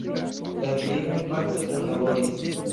La virinoj pace kunlaboris.